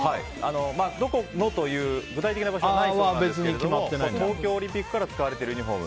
どこのという具体的な場所はないんですが東京オリンピックから使われているユニホーム。